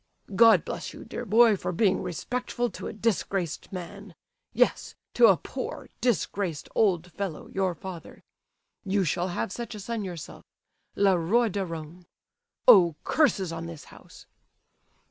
"God bless you, dear boy, for being respectful to a disgraced man. Yes, to a poor disgraced old fellow, your father. You shall have such a son yourself; le roi de Rome. Oh, curses on this house!"